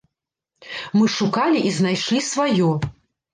Мы шукалі і знайшлі сваё.